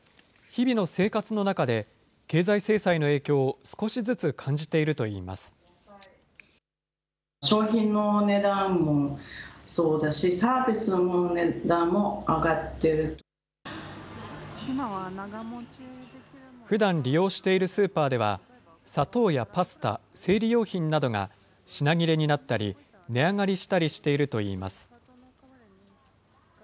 日々の生活の中で、経済制裁の影響を少しずつ感じているといいます。ふだん利用しているスーパーでは、砂糖やパスタ、生理用品などが品切れになったり、値上がりしたりしているといいます。